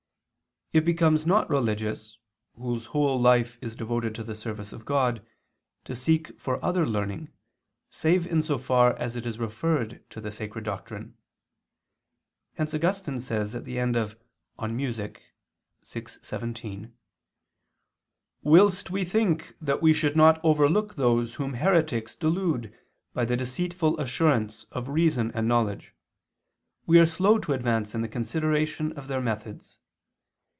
It becomes not religious, whose whole life is devoted to the service of God, to seek for other learning, save in so far as it is referred to the sacred doctrine. Hence Augustine says at the end of De Musica vi, 17: "Whilst we think that we should not overlook those whom heretics delude by the deceitful assurance of reason and knowledge, we are slow to advance in the consideration of their methods.